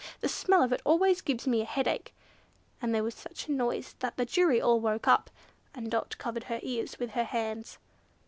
the smell of it always gives me a headache!" and there was such a noise that the jury all woke up, and Dot covered her ears with her hands.